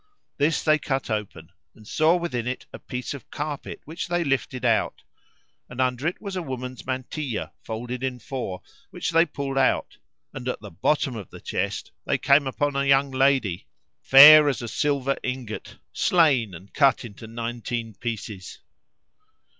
This they cut open and saw within it a piece of carpet which they lifted out, and under it was a woman's mantilla folded in four, which they pulled out; and at the bottom of the chest they came upon a young lady, fair as a silver ingot, slain and cut into nineteen pieces.